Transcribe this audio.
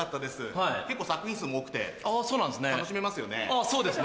作品数も多くて楽しめますよね。